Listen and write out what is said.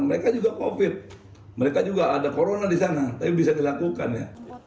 mereka juga covid mereka juga ada corona di sana tapi bisa dilakukan ya